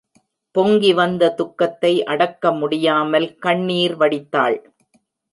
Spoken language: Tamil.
பொங்கி வந்த துக்கத்தை அடக்கமுடியாமல் கண்ணீர் வடித்தாள்.